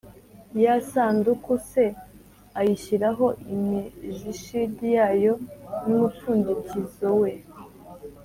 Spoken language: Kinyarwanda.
ya Sanduku c ayishyiraho imijishid yayo n umupfundikizoe